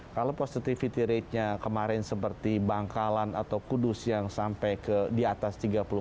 kalau positivity ratenya kemarin seperti bangkalan atau kudus yang sampai di atas tiga puluh empat